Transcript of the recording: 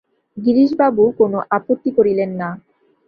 গিরিশবাবু কোন আপত্তি করিলেন না।